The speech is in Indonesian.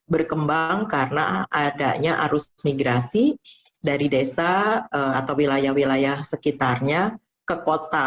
berkembang karena adanya arus migrasi dari desa atau wilayah wilayah sekitarnya ke kota